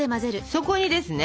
そこにですね